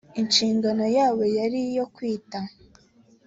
inshingano yabo yari iyo kwita